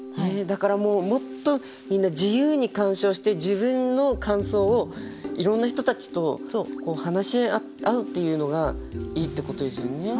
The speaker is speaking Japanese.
だからもっとみんな自由に鑑賞して自分の感想をいろんな人たちと話し合うっていうのがいいってことですよね。